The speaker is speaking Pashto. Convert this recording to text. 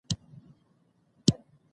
د سبزیجاتو په اړه: